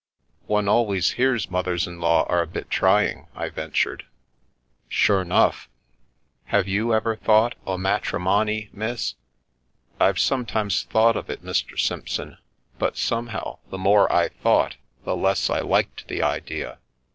" One always hears mothers in law are a bit trying," I ventured. "Sure 'nough. Have you ever thought o' matri tnonny, miss?" " I've sometimes thought of it, Mr. Simpson, but somehow, the more I thought, the less I liked the idea.